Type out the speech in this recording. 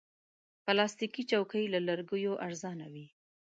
پلاستيکي چوکۍ له لرګیو ارزانه وي.